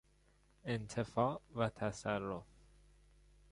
انتفاع و تصرف